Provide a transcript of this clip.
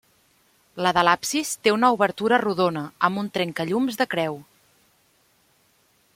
La de l'absis té una obertura rodona amb un trencallums de creu.